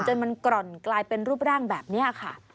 จนมันกร่อนกลายเป็นรูปร่างแบบนี้ค่ะ